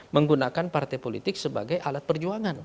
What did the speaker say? menggunakan partai politik sebagai alat perjuangan